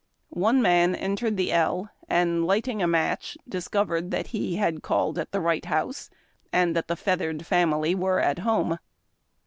One man entered the ell, and, lighting a match, discovered that he had called at the right house, and that the feathered family were at home.